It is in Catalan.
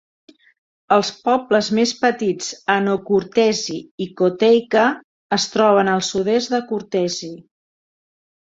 Els pobles més petits Ano Kourtesi i Kotteika es troben al sud-est de Kourtesi.